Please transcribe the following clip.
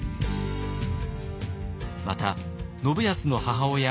また信康の母親